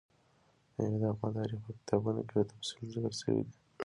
مېوې د افغان تاریخ په کتابونو کې په تفصیل ذکر شوي دي.